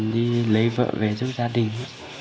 đi lấy vợ về giúp gia đình